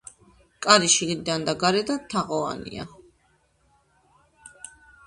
კარი შიგნიდან და გარედან თაღოვანია.